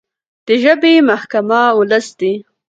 د ژبې محکمه ولس دی.